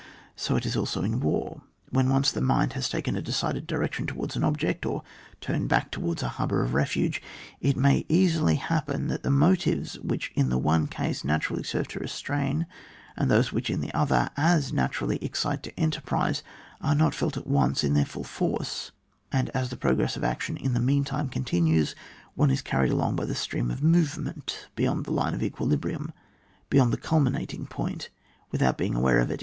So it is also in war. When once the mind has taken a decided direction to wards an object, or turned back towards a harbour of refuge, it may easily hap pen that the motives which in the one case naturally serve to restrain, and those which in the other as naturally excite to enterprise, are not felt at once in their fuU force; and as the progress of action in the mean time continues, one is carried along by the stream of movement beyond the line of equilibrium, beyond the cul minating point, without being aware of it.